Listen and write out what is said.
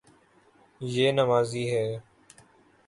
یے نمازی ہے